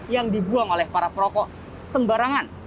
yang dibuang oleh para perokok sembarangan